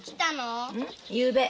ゆうべ。